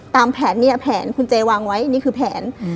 ตามแผนคุณเจอท์วางไว้นี่คือแผน